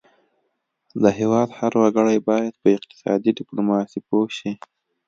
د هیواد هر وګړی باید په اقتصادي ډیپلوماسي پوه شي